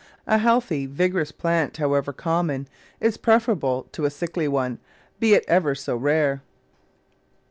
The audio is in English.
A healthy, vigorous plant, however common, is preferable to a sickly one, be it ever so rare.